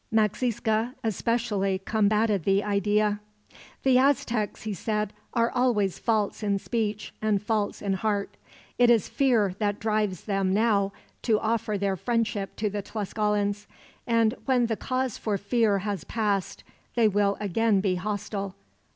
Maxixca especially combated the idea. "The Aztecs," he said, "are always false in speech, and false in heart. It is fear that drives them, now, to offer their friendship to the Tlascalans; and when the cause for fear has passed, they will again be hostile.